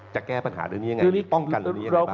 จะแก้ปัญหาเรื่องนี้ยังไงป้องกันเรื่องนี้ยังไงบ้าง